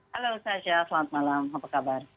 halo saja selamat malam apa kabar